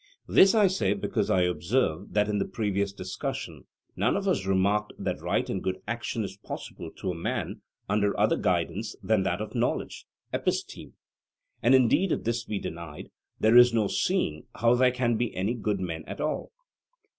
This I say, because I observe that in the previous discussion none of us remarked that right and good action is possible to man under other guidance than that of knowledge (episteme); and indeed if this be denied, there is no seeing how there can be any good men at all.